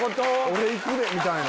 俺行くで！みたいな。